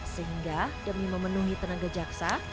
sehingga demi memenuhi tenaga jaksa